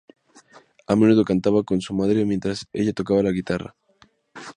A menudo cantaba con su madre mientras ella tocaba la guitarra.